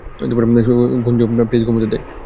Gunju, please ঘুমোতে দে।